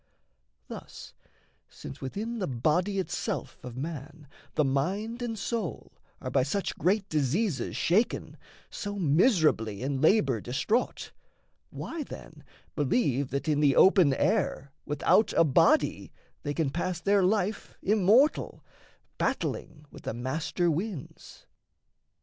Thus, since within the body itself of man The mind and soul are by such great diseases Shaken, so miserably in labour distraught, Why, then, believe that in the open air, Without a body, they can pass their life, Immortal, battling with the master winds?